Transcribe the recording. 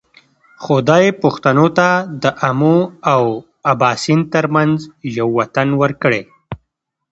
خدای پښتنو ته د آمو او باسین ترمنځ یو وطن ورکړی.